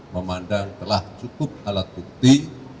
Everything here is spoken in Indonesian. memandang telah cukup alat bukti